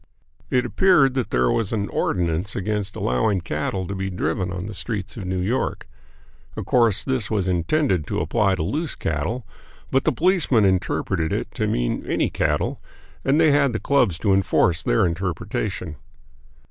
It appeared that there was an ordinance against allowing cattle to be driven on the streets of New York. Of course, this was intended to apply to loose cattle, but the policemen interpreted it to mean any cattle, and they had the clubs to enforce their interpretation.